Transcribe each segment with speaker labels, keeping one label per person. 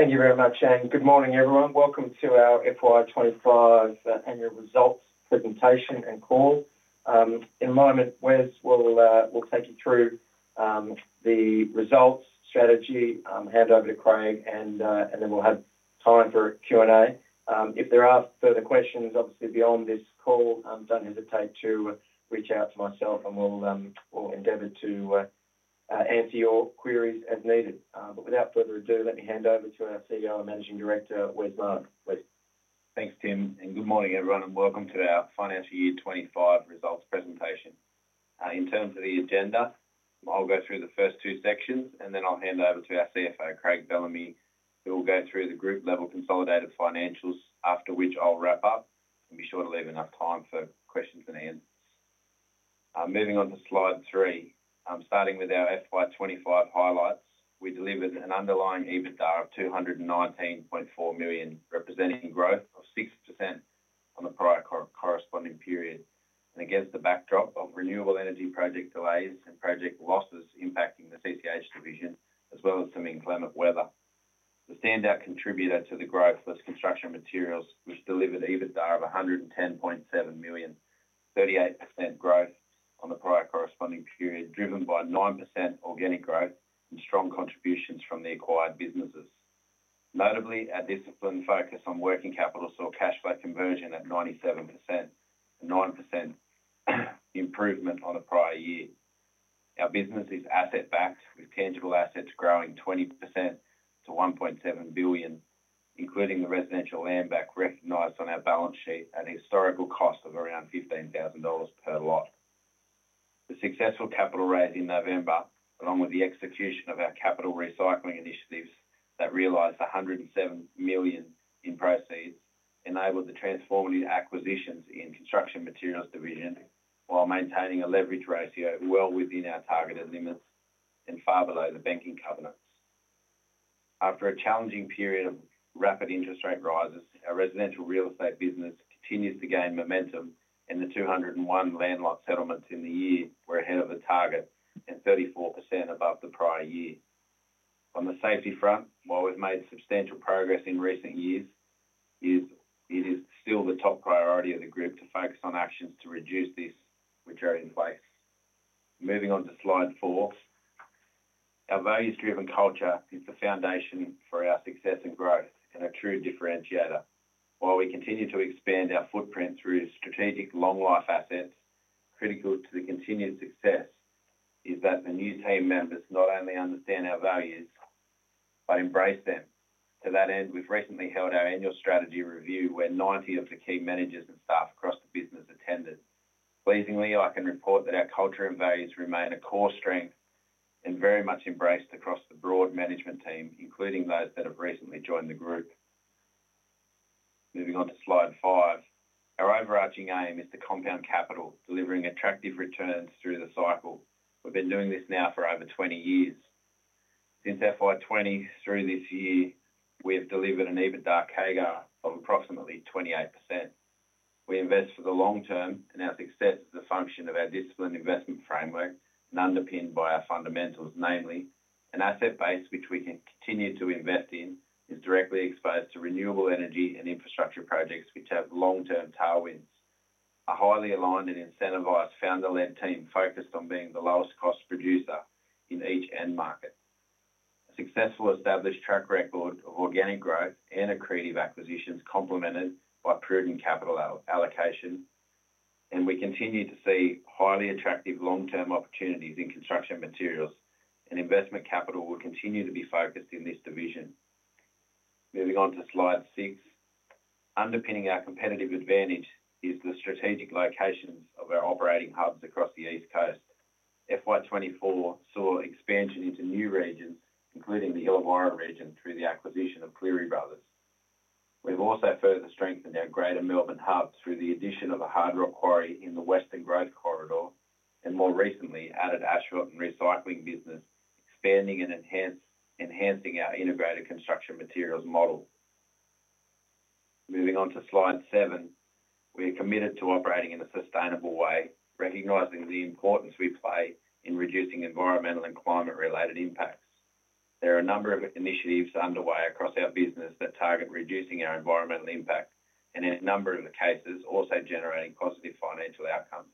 Speaker 1: Thank you very much, and good morning, everyone. Welcome to our FY 2025 annual results presentation and call. In a moment, Wes will take you through the results strategy, hand over to Craig, and then we'll have time for Q&A. If there are further questions, obviously, beyond this call, don't hesitate to reach out to myself, and we'll endeavor to answer your queries as needed. Without further ado, let me hand over to our CEO and Managing Director, Wes Maas.
Speaker 2: Thanks, Tim, and good morning, everyone, and welcome to our financial year 2025 results presentation. In terms of the agenda, I'll go through the first two sections, and then I'll hand over to our CFO, Craig Bellamy, who will go through the group-level consolidated financials, after which I'll wrap up and be sure to leave enough time for questions in the end. Moving on to slide three, starting with our FY 2025 highlights, we delivered an underlying EBITDA of $219.4 million, representing growth of 6% on the prior corresponding period. Against the backdrop of renewable energy project delays and project losses impacting the civil construction and hire division, as well as some inclement weather, the standout contributor to the growth was construction materials, which delivered EBITDA of $110.7 million, 38% growth on the prior corresponding period, driven by 9% organic growth and strong contributions from the acquired businesses. Notably, our disciplined focus on working capital saw cash flow conversion at 97%, a 9% improvement on the prior year. Our business is asset-backed, with tangible assets growing 20% to $1.7 billion, including the residential land bank recognized on our balance sheet at a historical cost of around $15,000 per lot. The successful capital raise in November, along with the execution of our capital recycling initiatives that realized $107 million in proceeds, enabled the transformative acquisitions in the construction materials division while maintaining a leverage ratio well within our targeted limits and far below the banking covenants. After a challenging period of rapid interest rate rises, our residential real estate business continues to gain momentum, and the 201 land lot settlements in the year were ahead of the target and 34% above the prior year. On the safety front, while we've made substantial progress in recent years, it is still the top priority of the group to focus on actions to reduce this, which are in place. Moving on to slide four, our values-driven culture is the foundation for our successive growth and a true differentiator. While we continue to expand our footprint through strategic long-life assets, critical to the continued success is that the new team members not only understand our values but embrace them. To that end, we've recently held our annual strategy review, where 90 of the key managers and staff across the business attended. Pleasingly, I can report that our culture and values remain a core strength and very much embraced across the broad management team, including those that have recently joined the group. Moving on to slide five, our overarching aim is to compound capital, delivering attractive returns through the cycle. We've been doing this now for over 20 years. Since FY 2023 this year, we've delivered an EBITDA CAGR of approximately 28%. We invest for the long term, and our success is a function of our disciplined investment framework and underpinned by our fundamentals, namely, an asset base which we can continue to invest in, is directly exposed to renewable energy and infrastructure projects which have long-term tailwinds. A highly aligned and incentivized founder-led team focused on being the lowest cost producer in each end market. Successful established track record of organic growth and accretive acquisitions complemented by prudent capital allocation, and we continue to see highly attractive long-term opportunities in construction materials, and investment capital will continue to be focused in this division. Moving on to slide six, underpinning our competitive advantage is the strategic locations of our operating hubs across the East Coast. FY 2024 saw expansion into new regions, including the Illawarra region, through the acquisition of Cleary Bros. We've also further strengthened our greater Melbourne hubs through the addition of a hard rock quarry in the Western Growth Corridor and more recently added Ashwat and recycling business, expanding and enhancing our integrated construction materials model. Moving on to slide seven, we are committed to operating in a sustainable way, recognizing the importance we play in reducing environmental and climate-related impacts. There are a number of initiatives underway across our business that target reducing our environmental impact, and in a number of the cases, also generating positive financial outcomes.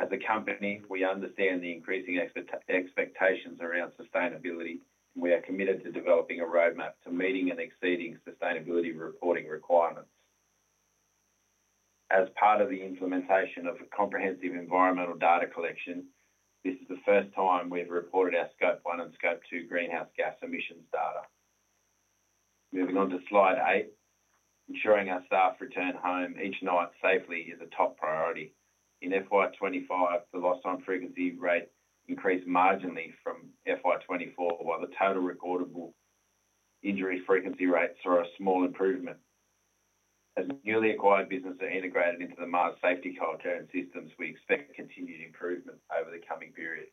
Speaker 2: As a company, we understand the increasing expectations around sustainability, and we are committed to developing a roadmap to meeting and exceeding sustainability reporting requirements. As part of the implementation of comprehensive environmental data collection, this is the first time we've reported our Scope one and Scope two greenhouse gas emissions data. Moving on to slide eight, ensuring our staff return home each night safely is a top priority. In FY 2025, the lost time frequency rate increased marginally from FY 2024, while the total recordable injury frequency rates are a small improvement. As newly acquired businesses are integrated into the MAAS safety culture and systems, we expect continued improvement over the coming periods.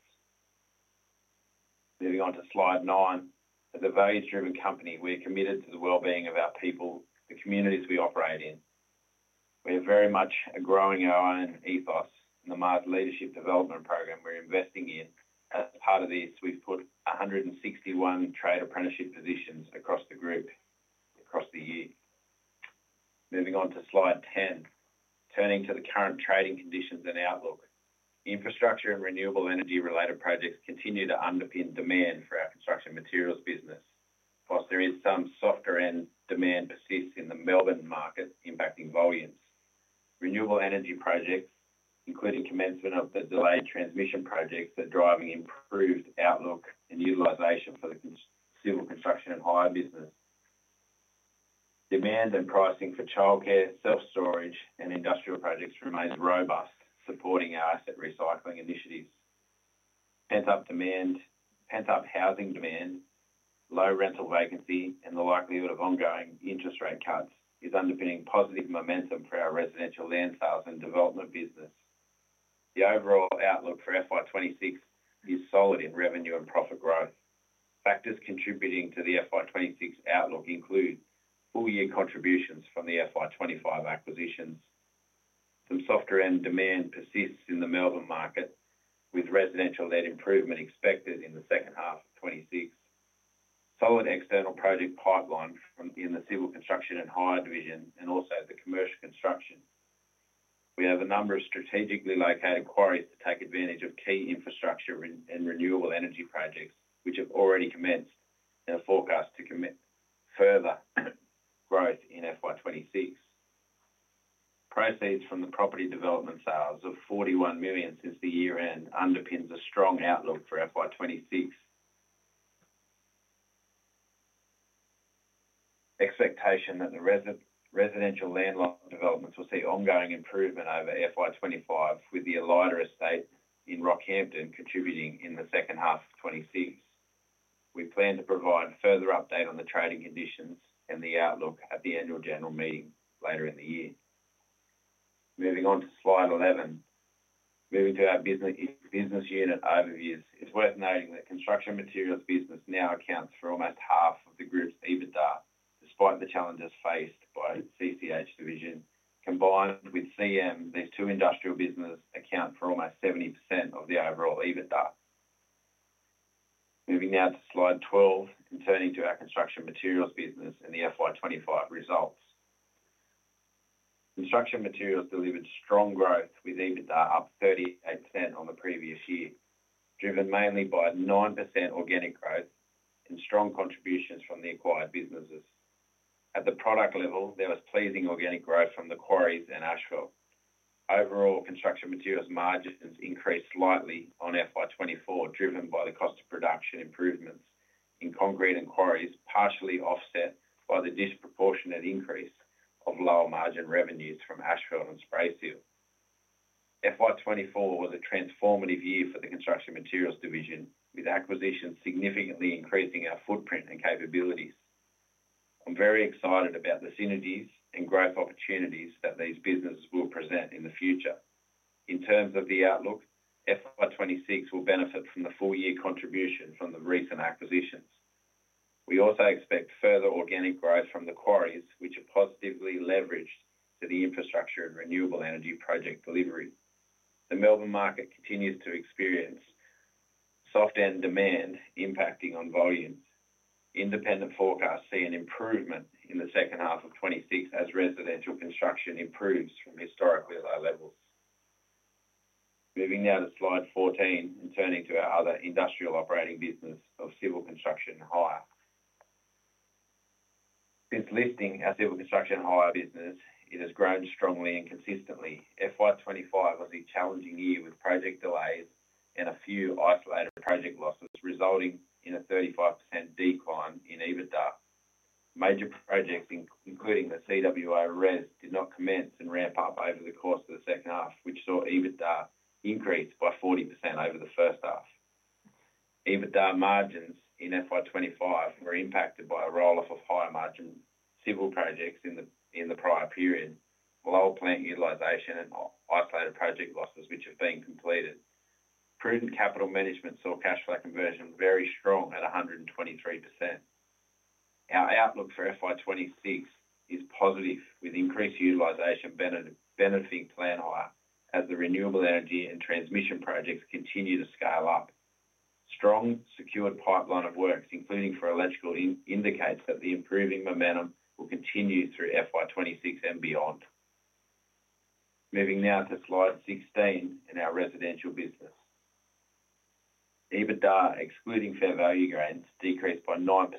Speaker 2: Moving on to slide nine, as a values-driven company, we're committed to the wellbeing of our people and the communities we operate in. We are very much growing our own ethos in the MAAS Leadership Development Programme we're investing in. As part of this, we've put 161 trade apprenticeship positions across the group across the year. Moving on to slide 10, turning to the current trading conditions and outlook, infrastructure and renewable energy-related projects continue to underpin demand for our construction materials business. Whilst there is some softer end demand that persists in the Melbourne market, impacting volume, renewable energy projects, including commencement of the delayed transmission projects, are driving improved outlook and utilization for the civil construction and hire business. Demand and pricing for childcare, self-storage, and industrial projects remain robust, supporting our asset recycling initiatives. Pent up housing demand, low rental vacancy, and the likelihood of ongoing interest rate cuts is underpinning positive momentum for our residential land sales and development business. The overall outlook for FY 2026 is solid in revenue and profit growth. Factors contributing to the FY 2026 outlook include all-year contributions from the FY 2025 acquisitions. Some softer end demand persists in the Melbourne market, with residential led improvement expected in the second half of 2026. Solid external project pipeline in the civil construction and hire division and also the commercial construction. We have a number of strategically located quarries to take advantage of key infrastructure and renewable energy projects, which have already commenced and are forecast to commit further growth in FY 2026. Proceeds from the property development sales of $41 million since the year-end underpins a strong outlook for FY 2026. Expectation that the residential landlocked developments will see ongoing improvement over FY 2025, with the Ellida Estate in Rockhampton contributing in the second half of 2026. We plan to provide further update on the trading conditions and the outlook at the annual general meeting later in the year. Moving on to slide 11, moving to our business unit overviews, it's worth noting that construction materials business now accounts for almost half of the group's EBITDA, despite the challenges faced by the CC&H division. Combined with CM, these two industrial businesses account for almost 70% of the overall EBITDA. Moving now to slide 12 and turning to our construction materials business and the FY 2025 results. Construction materials delivered strong growth with EBITDA up 38% on the previous year, driven mainly by 9% organic growth and strong contributions from the acquired businesses. At the product level, there was pleasing organic growth from the quarries and Ashcroft. Overall, construction materials margins increased slightly on FY 2024, driven by the cost of production improvements in concrete and quarries, partially offset by the disproportionate increase of low margin revenues from Ashville and Spray Seal. FY 2024 was a transformative year for the construction materials division, with acquisitions significantly increasing our footprint and capabilities. I'm very excited about the synergies and growth opportunities that these businesses will present in the future. In terms of the outlook, FY 2026 will benefit from the full-year contribution from the recent acquisitions. We also expect further organic growth from the quarries, which are positively leveraged for the infrastructure and renewable energy project delivery. The Melbourne market continues to experience soft end demand impacting on volume. Independent forecasts see an improvement in the second half of 2026 as residential construction improves from historically low levels. Moving now to slide 14 and turning to our other industrial operating business of civil construction and hire. Since listing, our civil construction and hire business has grown strongly and consistently. FY 2025 was a challenging year with project delays and a few isolated project losses, resulting in a 35% decline in EBITDA. Major projects, including the CWI RES, did not commence and ramp up over the course of the second half, which saw EBITDA increase by 40% over the first half. EBITDA margins in FY 2025 were impacted by a roll-off of higher margin civil projects in the prior period, low plant utilization and isolated project losses which have been completed. Prudent capital management saw cash flow conversion very strong at 123%. Our outlook for FY 2026 is positive, with increased utilization benefiting plant hire as the renewable energy and transmission projects continue to scale up. Strong secured pipeline of works, including for electrical, indicates that the improving momentum will continue through FY 2026 and beyond. Moving now to slide 16 and our residential business. EBITDA excluding fair value gains decreased by 9%,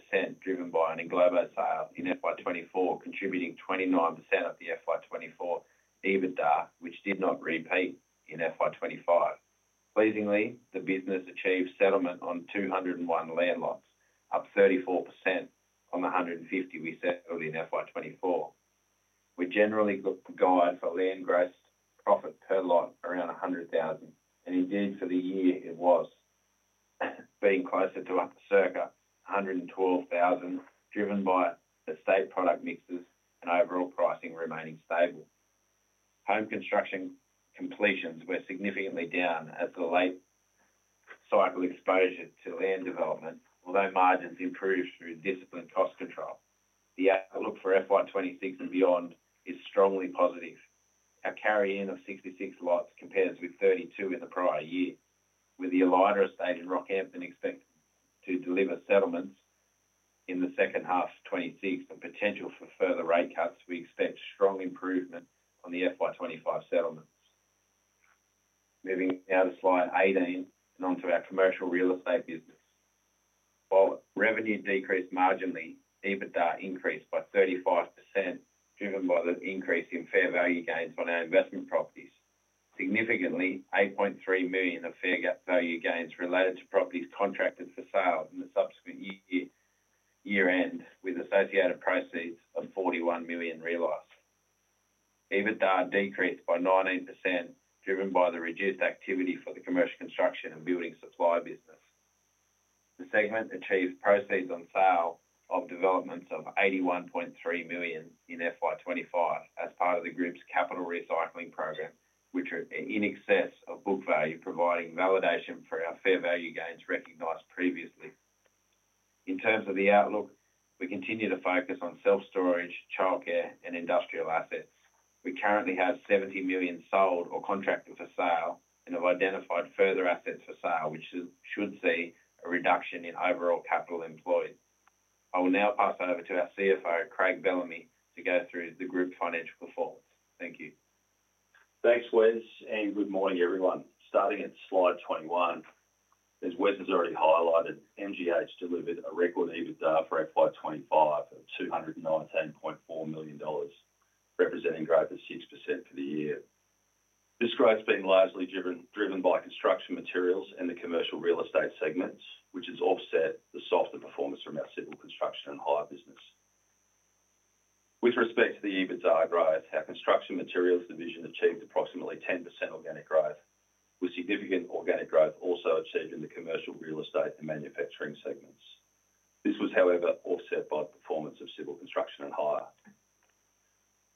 Speaker 2: driven by an englobo sale in FY 2024, contributing 29% of the FY 2024 EBITDA, which did not repeat in FY 2025. Pleasingly, the business achieved settlement on 201 land lots, up 34% on the 150 we settled in FY 2024. We're generally looking to guide for land gross profit per lot around $100,000, and indeed for the year it was, being closer to up to circa $112,000, driven by estate product mixes and overall pricing remaining stable. Home construction completions were significantly down at the late cycle exposure to land development, although margins improved through disciplined cost control. The outlook for FY 2026 and beyond is strongly positive. Our carry-in of 66 lots compares with 32 in the prior year. With the Ellida Estate in Rockhampton expecting to deliver settlements in the second half of 2026 and potential for further rate cuts, we expect strong improvement on the FY 2025 settlements. Moving now to slide 18 and onto our commercial real estate business. While revenues decreased marginally, EBITDA increased by 35%, driven by the increase in fair value gains on our investment properties. Significantly, $8.3 million of fair value gains related to properties contracted for sale in the subsequent year-end, with associated proceeds of $41 million realized. EBITDA decreased by 19%, driven by the reduced activity for the commercial construction and building supply business. The segment achieved proceeds on sale of developments of $81.3 million in FY 2025 as part of the group's capital recycling program, which are in excess of book value, providing validation for our fair value gains recognized previously. In terms of the outlook, we continue to focus on self-storage, childcare, and industrial assets. We currently have $70 million sold or contracted for sale and have identified further assets for sale, which should see a reduction in overall capital employed. I will now pass over to our CFO, Craig Bellamy, to go through the group's financial performance. Thank you.
Speaker 3: Thanks, Wes, and good morning, everyone. Starting at slide 21, as Wes has already highlighted, MAAS Group Holdings Ltd delivered a record EBITDA for FY 2025 of $209.4 million, representing growth of 6% for the year. This growth has been largely driven by construction materials and the commercial real estate segments, which has offset the softer performance from our civil construction and hire business. With respect to the EBITDA growth, our construction materials division achieved approximately 10% organic growth, with significant organic growth also achieved in the commercial real estate and manufacturing segments. This was, however, offset by the performance of civil construction and hire.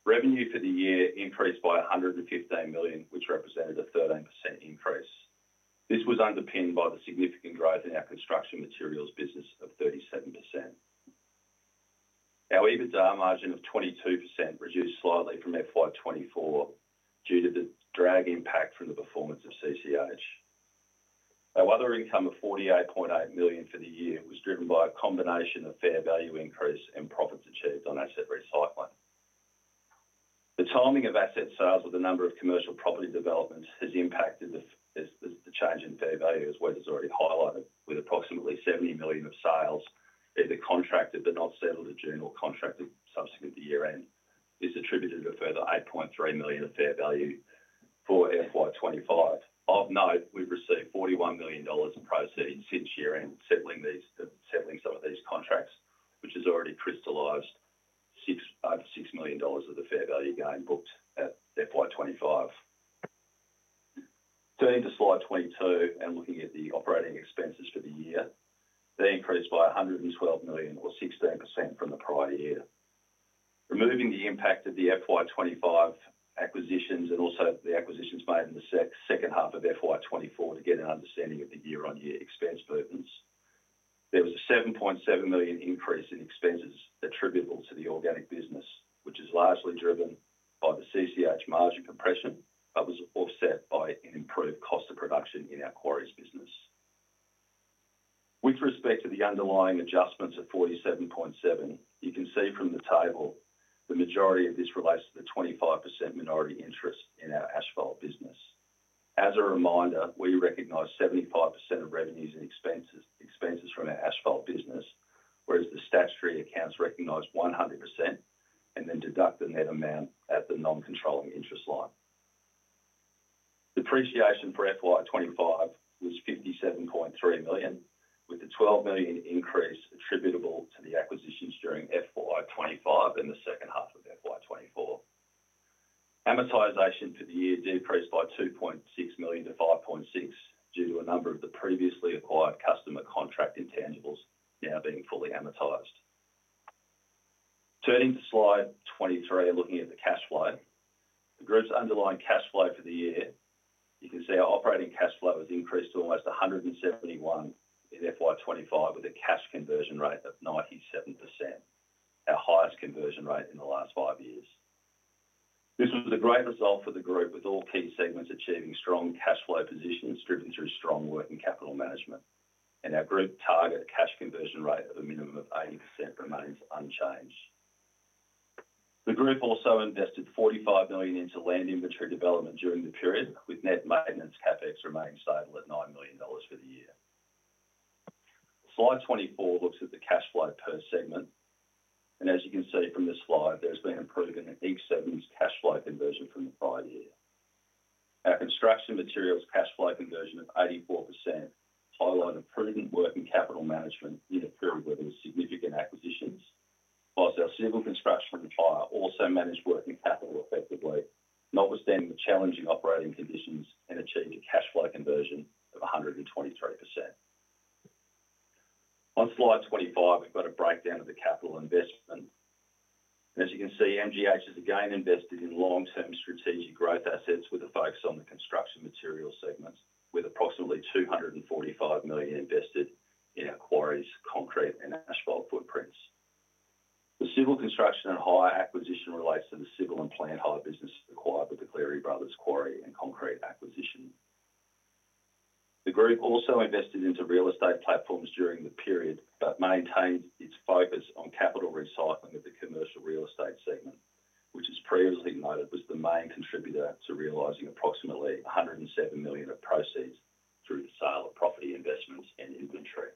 Speaker 3: Revenue for the year increased by $115 million, which represented a 13% increase. This was underpinned by the significant growth in our construction materials business of 37%. Our EBITDA margin of 22% reduced slightly from FY 2024 due to the drag impact from the performance of CC&H. Our other income of $48.8 million for the year was driven by a combination of fair value increase and profits achieved on asset recycling. The timing of asset sales with the number of commercial property developments has impacted the change in fair value, as Wes has already highlighted, with approximately $70 million of sales either contracted but not settled in June or contracted subsequent to year-end. This attributed a further $8.3 million of fair value for FY 2025. Of note, we've received $41 million of proceeds since year-end settling some of these contracts, which has already crystallized over $6 million of the fair value gain booked at FY 2025. Turning to slide 22 and looking at the operating expenses for the year, they increased by $112 million, or 16% from the prior year. Removing the impact of the FY 2025 acquisitions and also the acquisitions made in the second half of FY 2024 to get an understanding of the year-on-year expense burdens, there was a $7.7 million increase in expenses attributable to the organic business, which is largely driven by the CC&H margin compression, but was offset by an improved cost of production in our quarries business. With respect to the underlying adjustments of $47.7 million, you can see from the table the majority of this relates to the 25% minority interest in our asphalt business. As a reminder, we recognize 75% of revenues and expenses from our asphalt business, whereas the statutory accounts recognize 100% and then deduct the net amount at the non-controlling interest line. Depreciation for FY 2025 was $57.3 million, with the $12 million increase attributable to the acquisitions during FY 2025 and the second half of FY 2024. Amortization for the year decreased by $2.6 million - $5.6 million due to a number of the previously acquired customer contract intangibles now being fully amortized. Turning to slide 23, looking at the cash flow, the group's underlying cash flow for the year, you can see our operating cash flow has increased to almost $171 million in FY 2025, with a cash conversion rate of 97%, our highest conversion rate in the last five years. This was a great result for the group, with all key segments achieving strong cash flow positions, driven through strong working capital management. Our group target cash conversion rate of a minimum of 80% remains unchanged. The group also invested $45 million into land inventory development during the period, with net maintenance CapEx remaining stable at $9 million for the year. Slide 24 looks at the cash flow per segment, and as you can see from this slide, there's been a prudent and equity-savings cash flow conversion from the prior year. Our construction materials cash flow conversion of 84% highlighted prudent working capital management in a period where there were significant acquisitions, whilst our civil construction and hire also managed working capital effectively, notwithstanding the challenging operating conditions and achieving a cash flow conversion of 123%. On slide 25, we've got a breakdown of the capital investment. As you can see, MAAS Group Holdings Ltd has again invested in long-term strategic growth assets with a focus on the construction materials segments, with approximately $245 million invested in our quarries, concrete, and asphalt footprints. The civil construction and hire acquisition relates to the civil and plant hire business acquired with the Cleary Bros quarry and concrete acquisition. The group also invested into real estate platforms during the period, but maintained its focus on capital recycling of the commercial real estate segment, which as previously noted was the main contributor to realizing approximately $107 million of proceeds through the sale of property investments in inventory.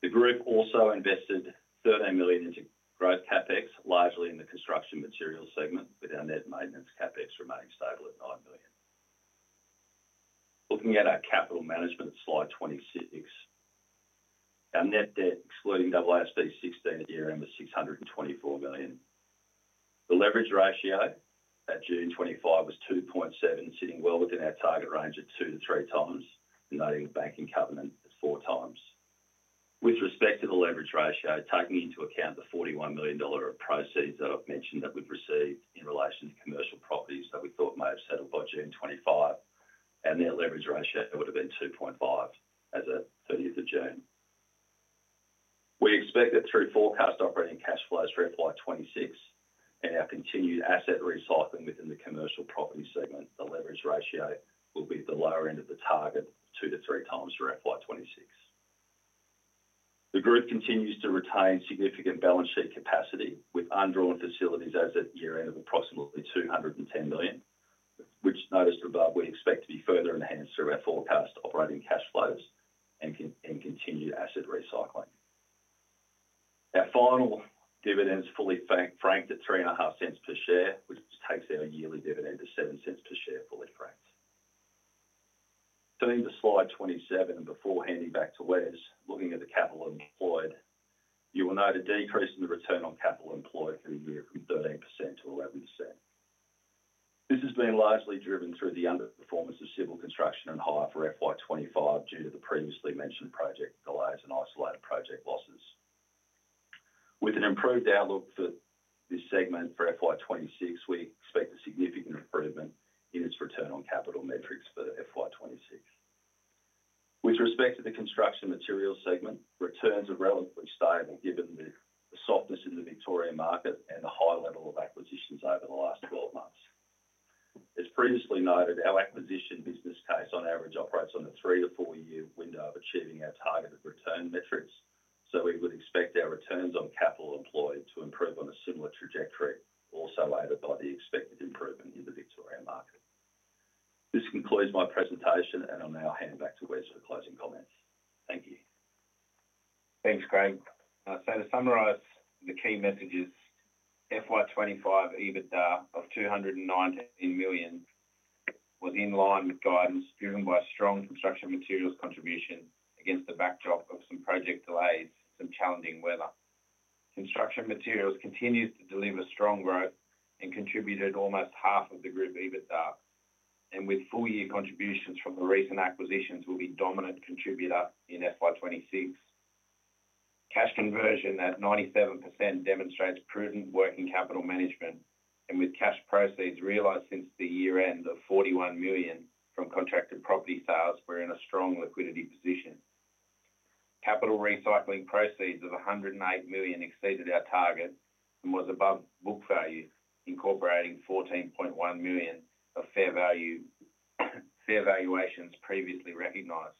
Speaker 3: The group also invested $30 million into growth CapEx, largely in the construction materials segment, with our net maintenance CapEx remaining stable at $9 million. Looking at our capital management at slide 26, our net debt, excluding AASB 16 at year-end, was $624 million. The leverage ratio at June 2025 was 2.7, sitting well within our target range of two to three times, and noting the banking covenant at four times. With respect to the leverage ratio, taking into account the $41 million of proceeds that I've mentioned that we've received in relation to commercial properties that we thought may have settled by June 2025, our net leverage ratio would have been 2.5 as of 30th of June. We expect that through forecast operating cash flows for FY 2026 and our continued asset recycling within the commercial property segment, the leverage ratio will be at the lower end of the target, two to three times for FY 2026. The group continues to retain significant balance sheet capacity with undrawn facilities as at year-end of approximately $210 million, which, as noted above, we expect to be further enhanced through our forecast operating cash flows and continued asset recycling. Our final dividends are fully fr anked at $0.35 per share, which takes our yearly dividend to $0.07 per share fully franked. Turning to slide 27 and before handing back to Wes, looking at the capital employed, you will note a decrease in the return on capital employed for the year from 13% - 11%. This has been largely driven through the underperformance of civil construction and hire for FY 2025 due to the previously mentioned project delays and isolated project losses. With an improved outlook for this segment for FY 2026, we expect a significant improvement in its return on capital metrics for FY 2026. With respect to the construction materials segment, returns are relatively stable given the softness of the Victoria market and the high level of acquisitions over the last 12 months. As previously noted, our acquisition business case on average operates on a three to four-year window of achieving our targeted return metrics, so we would expect our returns on capital employed to improve on a similar trajectory, also aided by the expected improvement in the Victoria market. This concludes my presentation, and I'll now hand it back to Wes for closing comments. Thank you.
Speaker 2: Thanks, Craig. To summarize the key messages, FY 2025 EBITDA of $219 million was in line with guidance, driven by a strong construction materials contribution against the backdrop of some project delays and challenging weather. Construction materials continues to deliver strong growth and contributed almost half of the group EBITDA, and with full-year contributions from the recent acquisitions, will be a dominant contributor in FY 2026. Cash conversion at 97% demonstrates prudent working capital management, and with cash proceeds realized since the year-end of $41 million from contracted property sales, we're in a strong liquidity position. Capital recycling proceeds of $108 million exceeded our target and was above book value, incorporating $14.1 million of fair valuations previously recognized.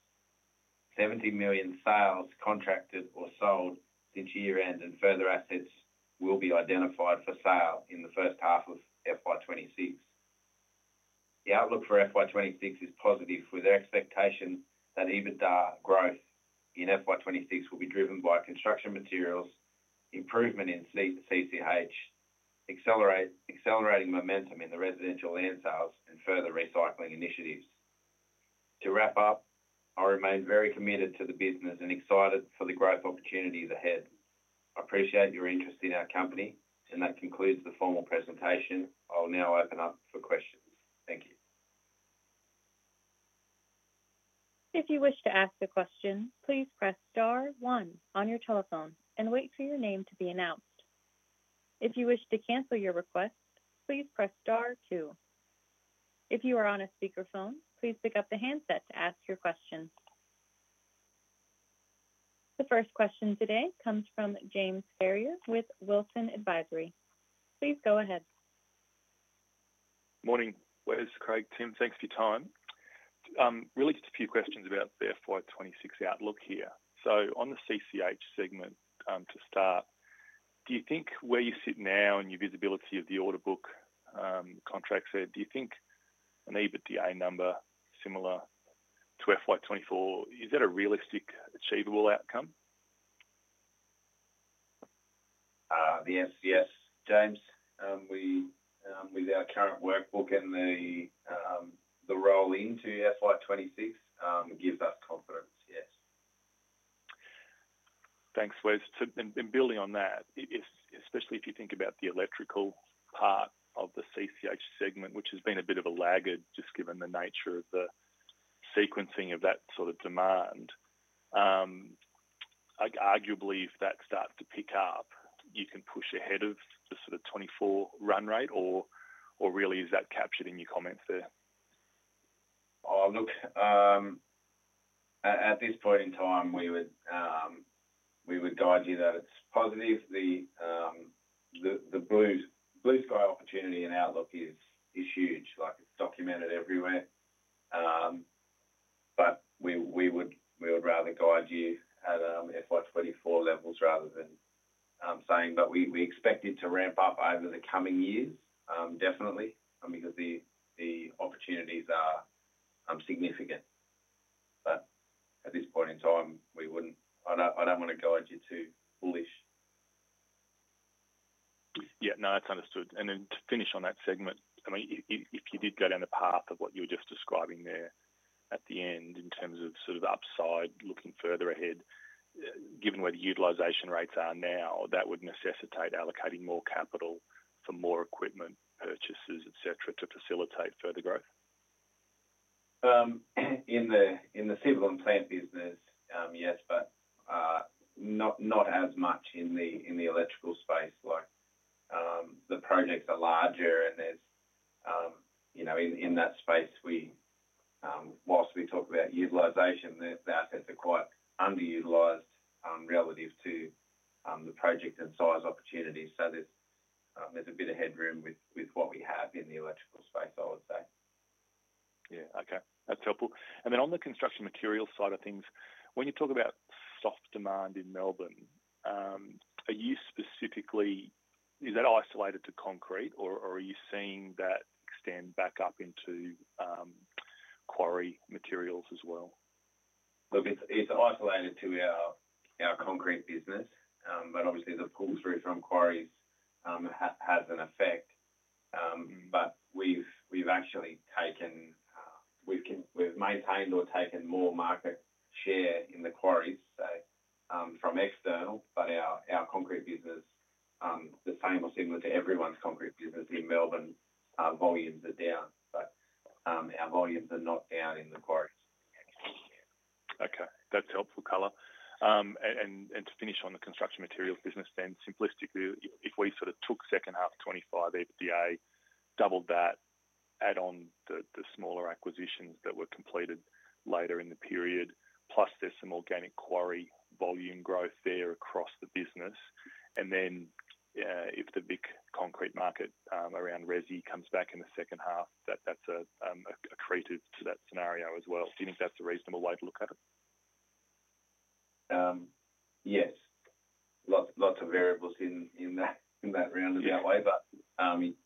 Speaker 2: $70 million sales contracted or sold each year-end and further assets will be identified for sale in the first half of FY 2026. The outlook for FY 2026 is positive, with expectation that EBITDA growth in FY 2026 will be driven by construction materials, improvement in CC&H, accelerating momentum in the residential land sales, and further recycling initiatives. To wrap up, I remain very committed to the business and excited for the growth opportunities ahead. I appreciate your interest in our company, and that concludes the formal presentation. I'll now open up for questions. Thank you.
Speaker 4: If you wish to ask a question, please press star one on your telephone and wait for your name to be announced. If you wish to cancel your request, please press star two. If you are on a speakerphone, please pick up the handset to ask your question. The first question today comes from James Ferrier with Wilson Advisory. Please go ahead.
Speaker 5: Morning, Wes, Craig, Tim, thanks for your time. Really, just a few questions about the FY 2026 outlook here. On the CC&H segment to start, do you think where you sit now and your visibility of the order book contracts there, do you think an EBITDA number similar to FY 2024 is that a realistic achievable outcome?
Speaker 2: The answer's yes, James. With our current workbook and the roll into FY 2026, it gives us confidence, yes.
Speaker 5: Thanks, Wes. Building on that, especially if you think about the electrical part of the CC&H segment, which has been a bit of a laggard, just given the nature of the sequencing of that sort of demand, arguably, if that starts to pick up, you can push ahead of the sort of 2024 run rate, or really, is that captured in your comments there?
Speaker 2: At this point in time, we would guide you that it's positive. The blue sky opportunity in outlook is huge, it's documented everywhere. We would rather guide you at FY 2024 levels rather than saying we expect it to ramp up over the coming year, definitely, because the opportunities are significant. At this point in time, we wouldn't, I don't want to guide you too bullish.
Speaker 5: Yeah, no, that's understood. To finish on that segment, if you did go down the path of what you were just describing there at the end in terms of sort of upside, looking further ahead, given where the utilization rates are now, that would necessitate allocating more capital for more equipment purchases, etc., to facilitate further growth?
Speaker 2: In the civil and plant business, yes, but not as much in the electrical space. The projects are larger and there's, you know, in that space, whilst we talk about utilisation, the assets are quite underutilised relative to the project and size opportunities. There's a bit of headroom with what we have in the electrical space, I would say.
Speaker 5: Okay, that's helpful. On the construction materials side of things, when you talk about soft demand in Melbourne, are you specifically, is that isolated to concrete or are you seeing that extend back up into quarry materials as well?
Speaker 2: Look, it's isolated to our concrete business, but obviously the pull-through from quarries has an effect. We've actually maintained or taken more market share in the quarries, say, from external, but our concrete business, the same or similar to everyone's concrete business in Melbourne, volumes are down. Our volumes are not down in the quarries, actually.
Speaker 5: Okay, that's helpful, Cala. To finish on the construction materials business, simplistically, if we sort of took second half 2025 EBITDA, doubled that, add on the smaller acquisitions that were completed later in the period, plus there's some organic quarry volume growth there across the business, and then if the big concrete market around RESE comes back in the second half, that's accretive to that scenario as well. Do you think that's a reasonable way to look at it?
Speaker 2: Yes, lots of variables in that realm in that way, but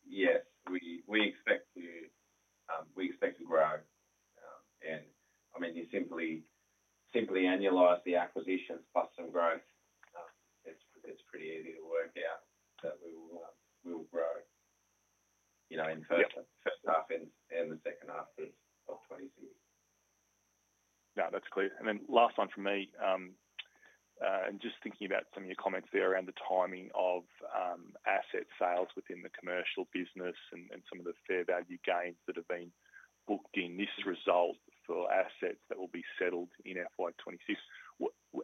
Speaker 2: yeah, we expect to grow. I mean, you simply annualize the acquisitions plus some growth. It's pretty easy to work out that we will grow, you know, in the first half and the second half of 2026.
Speaker 5: No, that's clear. Last one from me, just thinking about some of your comments there around the timing of asset sales within the commercial business and some of the fair value gains that have been booked in this result for assets that will be settled in FY 2026.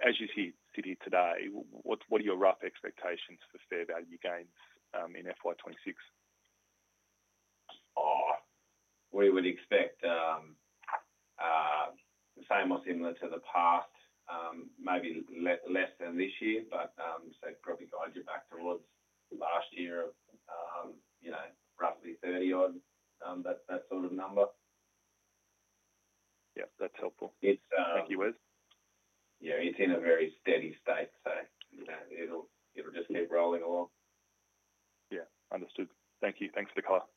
Speaker 5: As you sit here today, what are your rough expectations for fair value gains in FY 2026?
Speaker 2: We would expect the same or similar to the past, maybe less than this year, but I'd probably guide you back towards the last year, you know, roughly 30, that sort of number.
Speaker 5: Yeah, that's helpful. Thank you, Wes.
Speaker 2: Yeah, it's in a very steady state, so it'll just keep rolling along.
Speaker 5: Yeah, understood. Thank you. Thanks for the call.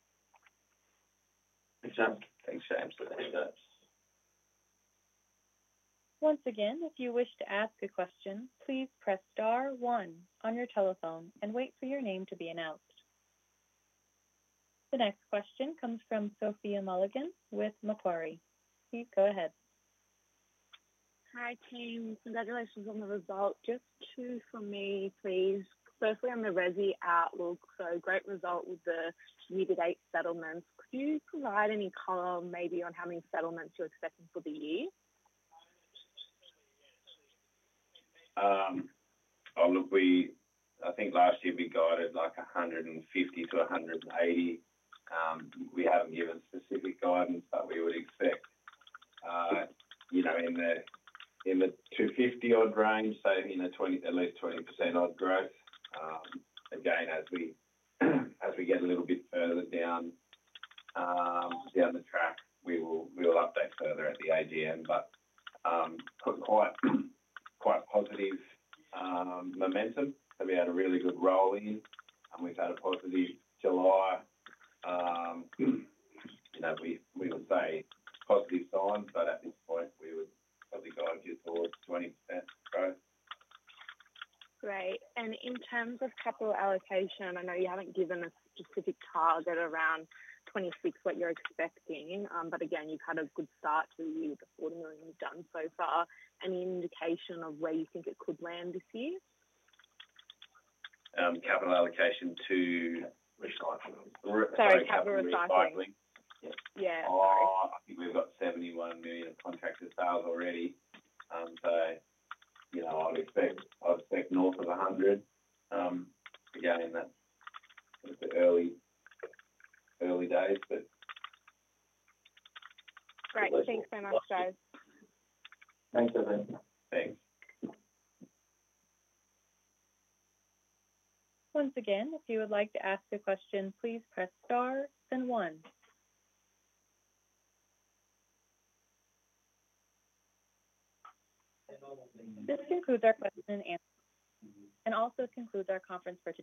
Speaker 2: Thanks, James.
Speaker 5: Thanks, James.
Speaker 2: Thank you, James.
Speaker 4: Once again, if you wish to ask a question, please press star one on your telephone and wait for your name to be announced. The next question comes from Sophia Mulligan with Macquarie. Please go ahead.
Speaker 6: Hi, team. Congratulations on the result. Just two for me, please. Firstly, on the RESE outlook, great result with the needed eight settlements. Could you provide any color maybe on how many settlements you're expecting for the year?
Speaker 2: Oh, look, I think last year we guided like 150 - 180. We haven't given specific guidance, but we would expect, you know, in the 250 odd range, so in the at least 20% odd growth. Again, as we get a little bit further down the track, we will update further at the AGM, but quite positive momentum. Have we had a really good roll in? We've had a positive July. You know, we can say positive signs, but at this point, we would probably guide you towards 20% growth.
Speaker 6: Right. In terms of capital allocation, I know you haven't given a specific target around 2026, what you're expecting, but you've had a good start to the year with the formula you've done so far. Any indication of where you think it could land this year?
Speaker 2: Capital allocation to capital recycling. Sorry, capital recycling. Yeah. Yeah. I think we've got $71 million of contracted sales already. I'd expect north of $100 million. Again, it's early days.
Speaker 6: Great. Thanks very much, James.
Speaker 2: Thanks, everyone. Thanks.
Speaker 4: Once again, if you would like to ask a question, please press star then one. This concludes our question and answer and also concludes our conference break.